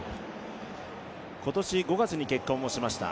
今年５月に結婚しました。